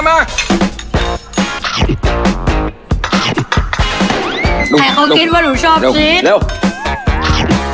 ให้เขากินว่าหนูชอบซี๊ด